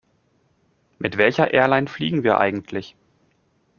Mit welcher Airline fliegen wir eigentlich?